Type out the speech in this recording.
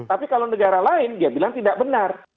tapi kalau negara lain dia bilang tidak benar